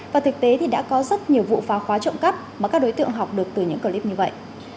và thực tế thì đã có rất nhiều vụ phá khóa trộm cắp mà các đối tượng học được từ những clip như vậy